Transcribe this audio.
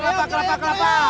lapak lapak lapak